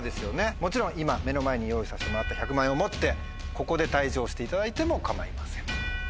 もちろん今目の前に用意させてもらった１００万円を持ってここで退場していただいても構いません。